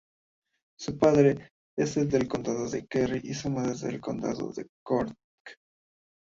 Su padre es del Condado de Kerry, y su madre del Condado de Cork.